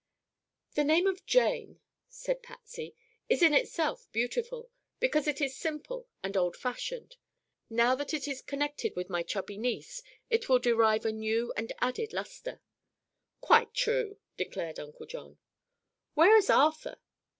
"The name of Jane," said Patsy, "is in itself beautiful, because it is simple and old fashioned. Now that it is connected with my chubby niece it will derive a new and added luster." "Quite true," declared Uncle John. "Where is Arthur?"